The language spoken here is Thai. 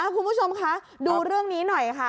คุณผู้ชมคะดูเรื่องนี้หน่อยค่ะ